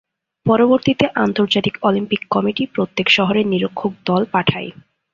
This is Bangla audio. পরবর্তীতে আন্তর্জাতিক অলিম্পিক কমিটি প্রত্যেক শহরে নিরীক্ষক দল পাঠায়।